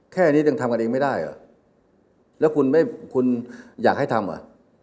แค่นี้ยังทำกันเองไม่ได้อ่ะแล้วคุณไม่คุณอยากให้ทำอ่ะ